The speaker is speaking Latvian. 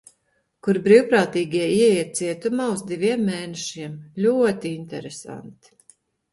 Kur brīvprātīgie ieiet cietumā uz diviem mēnešiem. Ļoti interesanti.